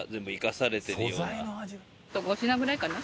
５品ぐらいかな？